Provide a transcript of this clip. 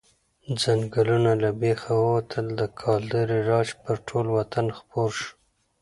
ځنګلونه له بېخه ووتل، د کلدارې راج پر ټول وطن خپور شو.